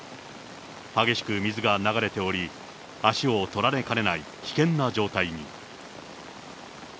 激しく水が流れており、足を取られかねない危険な状態に。